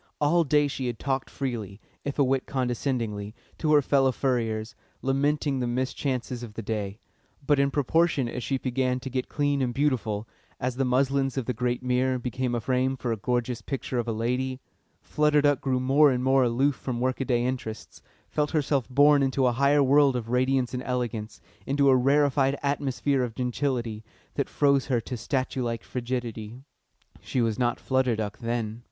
All day she had talked freely, if a whit condescendingly, to her fellow furriers, lamenting the mischances of the day; but in proportion as she began to get clean and beautiful, as the muslins of the great mirror became a frame for a gorgeous picture of a lady, Flutter Duck grew more and more aloof from workaday interests, felt herself borne into a higher world of radiance and elegance, into a rarefied atmosphere of gentility, that froze her to statue like frigidity. She was not Flutter Duck then.